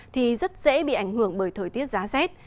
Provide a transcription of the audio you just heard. thì rất dễ bị ảnh hưởng bởi thời tiết giá rét